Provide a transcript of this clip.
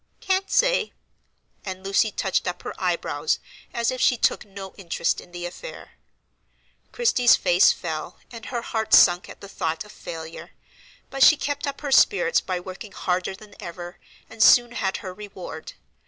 "Can't say," and Lucy touched up her eyebrows as if she took no interest in the affair. Christie's face fell, and her heart sunk at the thought of failure; but she kept up her spirits by working harder than ever, and soon had her reward.